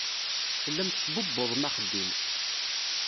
Tellam tesbubbuḍem axeddim.